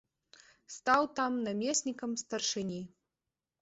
Стаў там намеснікам старшыні.